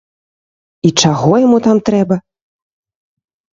І чаго яму там трэба?